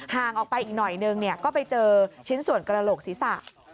ห่างออกไปอีกหน่อยนึงก็ไปเจอชิ้นส่วนกระโหลกศีรษะ